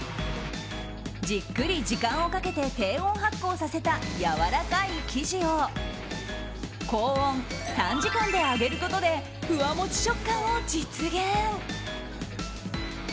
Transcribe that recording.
じっくり時間をかけて低温発酵させたやわらかい生地を高温・短時間で揚げることでふわもち食感を実現！